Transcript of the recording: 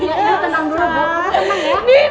iya jadi kamu ngapain